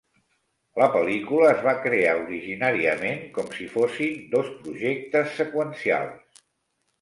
La pel·lícula es va crear originàriament com si fossin dos projectes seqüencials.